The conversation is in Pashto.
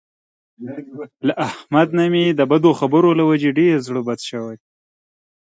له احمد نه مې د بدو خبر له وجې ډېر زړه بد شوی.